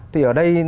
thì ở đây